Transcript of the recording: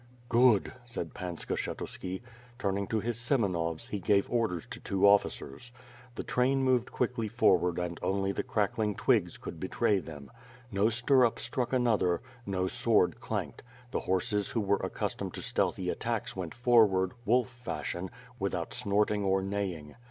"Good," said Pan Skshetuski. Turning to his Semenovs, he gave orders to two officers. The train moved quickly for ward and only the crackling twigs could betray them. No stirrup struck another; no sword clanked; the horses who were 356 WITH FIRE AND BWORD. accustomed to stealthy attacks went forward, wolf fashion, without snorting or neighing.